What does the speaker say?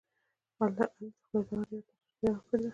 علي ته خدای تعالی ډېره پاکه عقیده ورکړې ده.